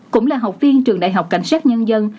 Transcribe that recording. cũng là học viên trường đại học cảnh sát nhân dân